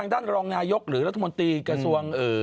ด้านรองนายกหรือรัฐมนตรีกระทรวง